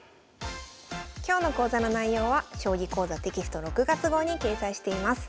今日の講座の内容は「将棋講座」テキスト６月号に掲載しています。